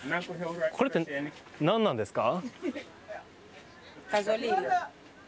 これってなんなんですか。